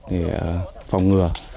để phòng ngừa